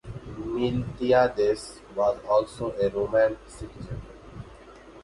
Miltiades was also a Roman citizen.